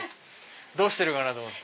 どうしてるかなと思って。